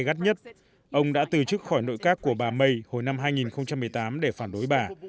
gắt nhất ông đã từ chức khỏi nội các của bà may hồi năm hai nghìn một mươi tám để phản đối bà